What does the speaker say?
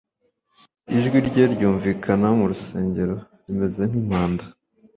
Ijwi rye ryumvikana mu rusengero rimeze nk’impanda.